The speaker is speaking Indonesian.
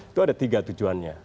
itu ada tiga tujuannya